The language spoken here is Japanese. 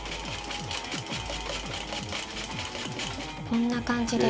こんな感じで。